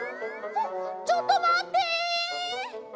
ちょっとまって！